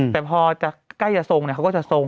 แต่พอจะใกล้จะทรงเขาก็จะทรง